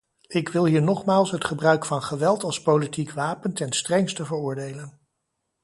Ik wil hier nogmaals het gebruik van geweld als politiek wapen ten strengste veroordelen.